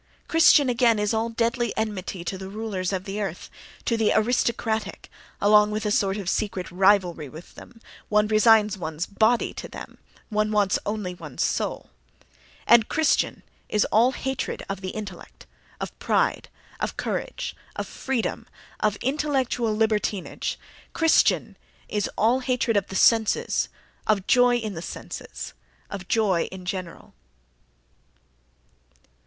Christian, again, is all deadly enmity to the rulers of the earth, to the "aristocratic"—along with a sort of secret rivalry with them (—one resigns one's "body" to them; one wants only one's "soul"...). And Christian is all hatred of the intellect, of pride, of courage, of freedom, of intellectual libertinage; Christian is all hatred of the senses, of joy in the senses, of joy in general....